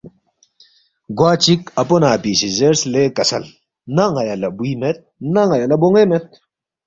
گوا چک اپو نہ اپی سی زیرس، ”لے کسل نہ ن٘یا لہ بُوی مید، نہ ن٘یا لہ بون٘وے مید